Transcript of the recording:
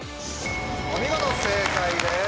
お見事正解です。